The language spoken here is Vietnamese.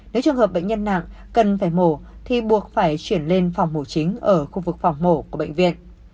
nếu trường hợp bệnh nhân nặng cần phải mổ thì buộc phải chuyển lên phòng mổ chính ở khu vực phòng mổ của bệnh viện